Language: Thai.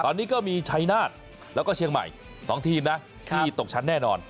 ตอนนี้ก็มีชัยนาฏแล้วก็เชียงใหม่๒ทีมนะที่ตกชั้นแน่นอน